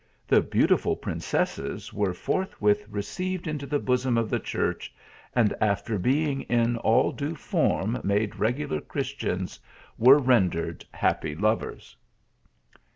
The beau tiful princesses were forthwith received into the bosom of the church, and after being in all due form made regular Christians, were rendered happy lovers.